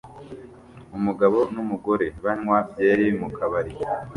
Umugabo numugore banywa byeri mukabari